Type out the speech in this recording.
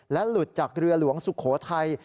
หลุดจากเรือหลวงสุโขทัย